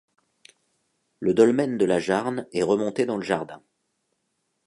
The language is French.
Le dolmen de La Jarne est remonté dans le jardin.